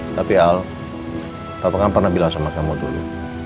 tapi al bapak kan pernah bilang sama kamu dulu